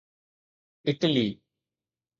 Italy